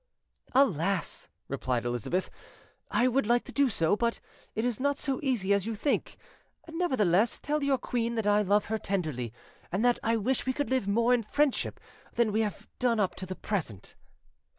"Alas!" replied Elizabeth, "I would like to do so, but it is not so easy as you think. Nevertheless, tell your queen that I love her tenderly, and that I wish we could live more in friendship than we have done up to the present".